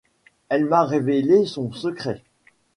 Elle m'a révélé son secret.